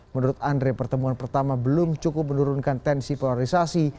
menurut andre pertemuan pertama belum cukup menurunkan tensi polarisasi